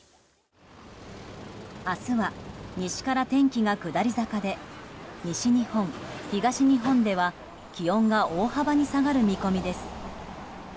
明日は、西から天気が下り坂で西日本、東日本では気温が大幅に下がる見込みです。